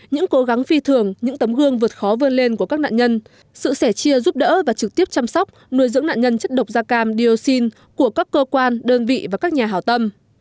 những cố gắng phi thường những tấm gương vượt khó vươn lên của các nạn nhân sự sẻ chia giúp đỡ và trực tiếp chăm sóc nuôi dưỡng nạn nhân chất độc da cam dioxin của các cơ quan đơn vị và các nhà hào tâm